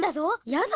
やだ